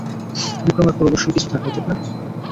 বিক্রমের পরে অবশ্যই কিছু থাকবে, ঠিক না?